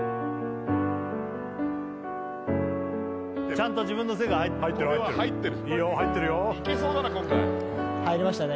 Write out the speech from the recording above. ちゃんと自分の世界入ってる入ってる入ってるいいよ入ってるよいけそうだな今回入りましたね